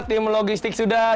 tim logistik sudah